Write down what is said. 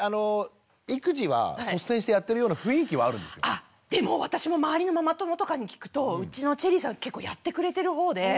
あでも私も周りのママ友とかに聞くとうちのチェリーさん結構やってくれてるほうで。